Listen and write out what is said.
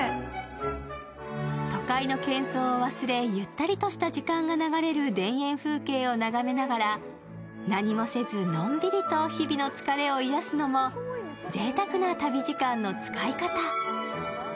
都会のけん噪を忘れ、ゆったりとした時間が流れる田園風景を眺めながら何もせずのんびりと日々の疲れを癒やすのもぜいたくな旅時間の使い方。